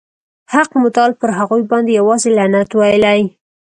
حق متعال پر هغوی باندي یوازي لعنت ویلی.